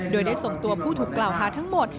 โดยได้ส่งตัวผู้ถูกกล่าวหาทั้งหมด